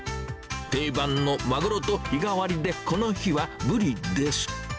定番のマグロと日替わりでこの日はブリです。